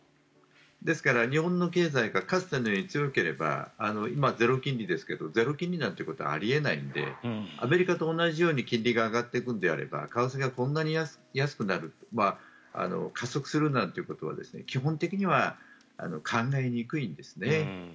ですから、日本の経済がかつてのように強ければ今、ゼロ金利ですけどゼロ金利なんてことはあり得ないんでアメリカと同じように金利が上がっていくのであれば為替がこんなに安くなる加速するなんていうことは基本的には考えにくいんですね。